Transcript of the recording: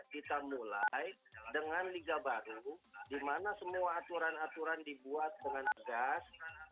kita mulai dengan liga baru di mana semua aturan aturan dibuat dengan tegas